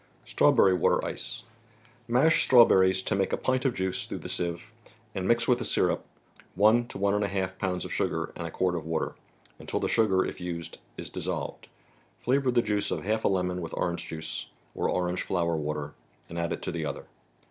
Plater 9!ce. Mash Straw ; ber nes to make a pint of juice through a sieve, and mix with a syrup (one to one and a half pounds of sugar and a quart of water), until the sugar, if used, is dissolved. Flavor the juice of half a lemon with orange juice, or orange flower water, and add it to the other.